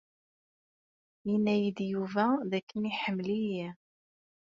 Yenna-yi-d Yuba d akken iḥemmel-iyi.